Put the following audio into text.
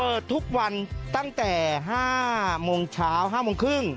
ทุกวันตั้งแต่๕โมงเช้า๕โมงครึ่ง